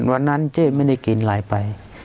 วันนั้นเจ๊ไม่ได้กินอะไรไป